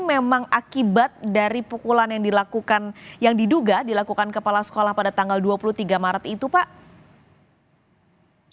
memang akibat dari pukulan yang dilakukan yang diduga dilakukan kepala sekolah pada tanggal dua puluh tiga maret itu pak